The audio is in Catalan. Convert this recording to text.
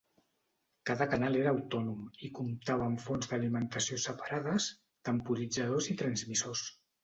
Cada canal era autònom i comptava amb fonts d'alimentació separades, temporitzadors i transmissors.